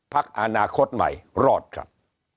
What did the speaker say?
พักอนาคตใหม่รอดครับ